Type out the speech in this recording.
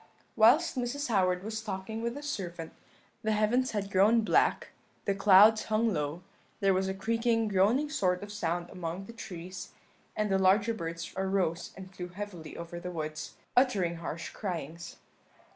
"Whilst Mrs. Howard was talking with the servant, the heavens had grown black, the clouds hung low; there was a creaking, groaning sort of sound among the trees, and the larger birds arose and flew heavily over the woods, uttering harsh cryings.